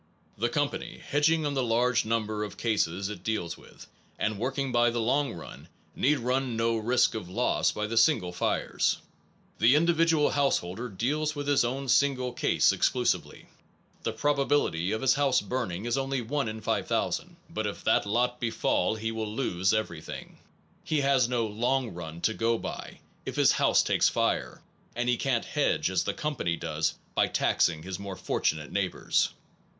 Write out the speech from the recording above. The company, hedging on the large number of cases it deals with, and working by the long run, need run no risk of loss by the single fires. The individual householder deals with his own 228 APPENDIX single case exclusively. The probability of his house burning is only 1 5000, but if that lot befall he will lose everything. He has no long run to go by, if his house takes fire, and he can t hedge as the company does, by taxing his more fortunate neigh bors.